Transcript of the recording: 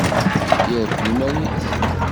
yerfed iman-is.